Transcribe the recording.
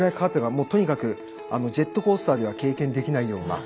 もうとにかくジェットコースターでは経験できないような。